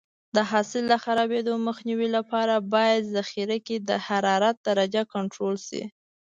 د حاصل د خرابېدو مخنیوي لپاره باید ذخیره کې د حرارت درجه کنټرول شي.